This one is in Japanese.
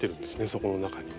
そこの中にね。